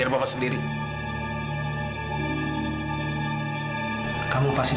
bok dan antar ya